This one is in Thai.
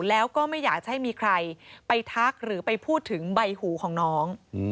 แล้วก็ไม่อยากจะให้มีใครไปทักหรือไปพูดถึงใบหูของน้อง